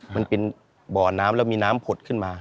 มันเป็นบ่อน้ำแล้วมีน้ำผุดขึ้นมา